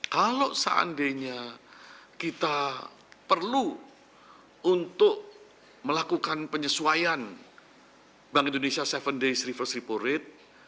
kalau seandainya kita perlu untuk melakukan penyesuaian bank indonesia tujuh days reverse repo rate